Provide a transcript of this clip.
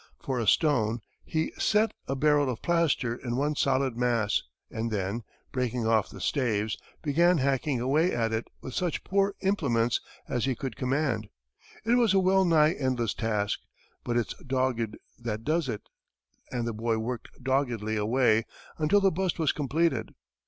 For a stone, he "set" a barrel of plaster in one solid mass and then, breaking off the staves, began hacking away at it with such poor implements as he could command. It was a well nigh endless task, but "it's dogged that does it," and the boy worked doggedly away until the bust was completed.